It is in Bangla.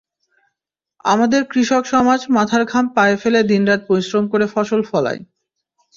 আমাদের কৃষক সমাজ মাথার ঘাম পায়ে ফেলে দিনরাত পরিশ্রম করে ফসল ফলায়।